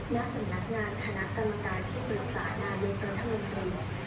นักสำนักงานคณะกรรมการที่เมื่อสานานในประธมนตรี